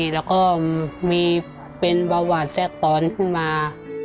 แล้วก็มีเป็นเบาหวานแทรกตอนขึ้นมา